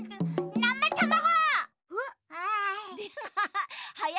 なたまご。